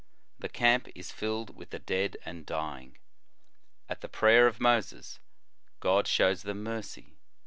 The camp is tilled with the dead and dying. At the prayer of Moses, God shows them mercy.